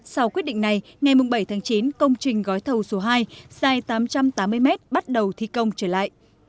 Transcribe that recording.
sau quyết định này ngày bảy tháng chín công trình gói thầu số hai dài tám trăm tám mươi mét bắt đầu thi công trở lại